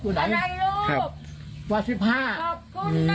คือว่าไหนไหนกตัวเด็กของเขาหรือ